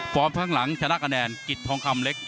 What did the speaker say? ข้างหลังชนะคะแนนกิจทองคำเล็ก